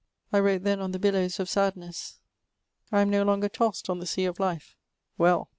I wrote then on the billows of sadhess ; I am no longer tossed on the sea of life. Well